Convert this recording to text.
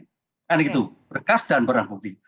kan itu berkas dan barang bukti